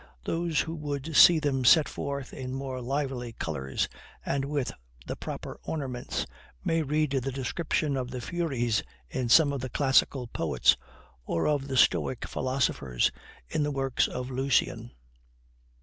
Those who would see them set forth in more lively colors, and with the proper ornaments, may read the descriptions of the Furies in some of the classical poets, or of the Stoic philosophers in the works of Lucian.